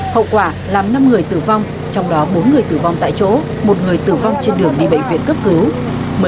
hậu quả làm năm người tử vong trong đó bốn người tử vong tại chỗ một người tử vong trên đường đi bệnh viện cấp cứu